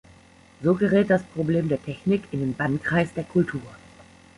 So gerät das Problem der Technik in den Bannkreis der Kultur.